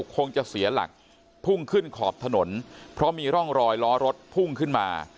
คงจะเสียหลักพุ่งขึ้นขอบถนนเพราะมีร่องรอยล้อรถพุ่งขึ้นมา